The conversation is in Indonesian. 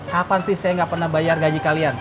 kapan sih saya nggak pernah bayar gaji kalian